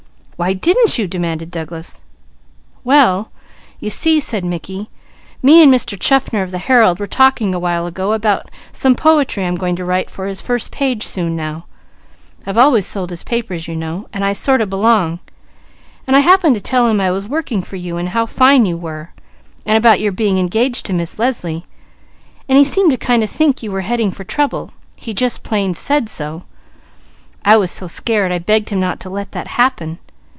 "Why didn't you?" demanded Douglas. "Well you see," said Mickey, "me and Mr. Chaffner of the Herald were talking a while ago about some poetry I'm going to write for his first page, soon now I've always sold his papers you know, so I sort of belong and I happened to tell him I was working for you, and how fine you were, and about your being engaged to Miss Leslie, and he seemed to kind of think you was heading for trouble; he just plain said so. I was so scared I begged him not to let that happen.